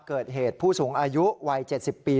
เกิดเหตุผู้สูงอายุวัย๗๐ปี